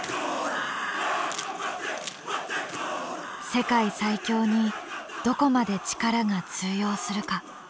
世界最強にどこまで力が通用するか。